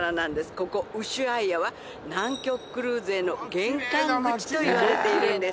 ここウシュアイアは南極クルーズへの玄関口といわれているんです